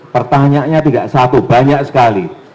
pertanyaannya tidak satu banyak sekali